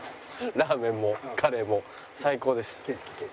ラーメンもカレーも最高でした。